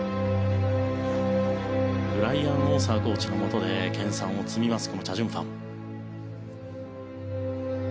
ブライアン・オーサーコーチのもとで研さんを積みますチャ・ジュンファン。